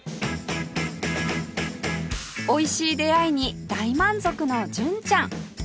おいしい出会いに大満足の純ちゃん